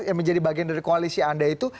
yang menjadi bagian dari koalisi anda itu